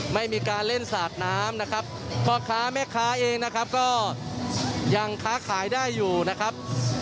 ไม่มีการเล่นสาดน้ำนะครับพ่อค้าแม่ค้าเองนะครับก็ยังค้าขายได้อยู่นะครับ